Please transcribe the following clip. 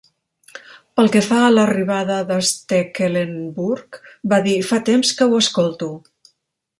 Pel que fa a l'arribada de Stekelenburg, va dir "Fa temps que ho escolto".